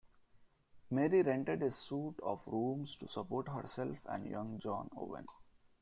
Mary rented a suite of rooms to support herself and young John Owen.